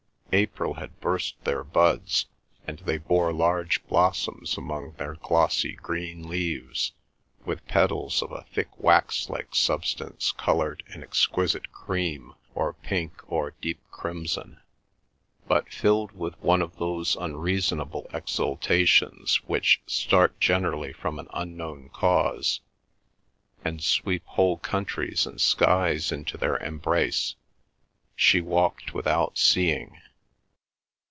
April had burst their buds, and they bore large blossoms among their glossy green leaves with petals of a thick wax like substance coloured an exquisite cream or pink or deep crimson. But filled with one of those unreasonable exultations which start generally from an unknown cause, and sweep whole countries and skies into their embrace, she walked without seeing.